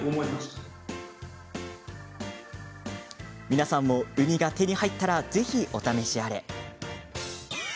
皆さんもウニが手に入ったらぜひお試しあれ。